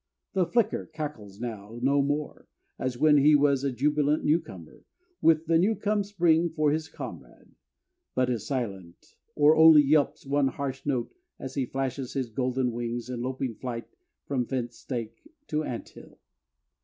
The flicker cackles now no more as when he was a jubilant new comer, with the new come spring for his comrade, but is silent or only yelps one harsh note as he flashes his golden wings in loping flight from fence stake to ant hill.